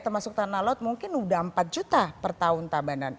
termasuk tanah laut mungkin sudah empat juta per tahun tabanan